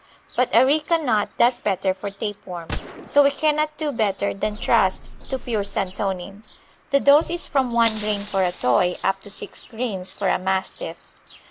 But areca nut does better for tape worm, so we cannot do better than trust to pure santonin. The dose is from 1 grain for a Toy up to 6 grains for a Mastiff.